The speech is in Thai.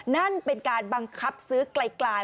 นั่นเป็นการบังคับซื้อไกล